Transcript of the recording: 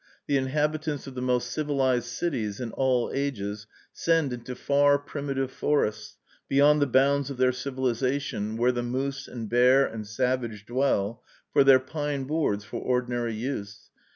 The inhabitants of the most civilized cities, in all ages, send into far, primitive forests, beyond the bounds of their civilization, where the moose and bear and savage dwell, for their pine boards for ordinary use.